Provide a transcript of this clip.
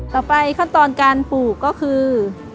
ต่อไปขั้นตอนการปลูกก็คือ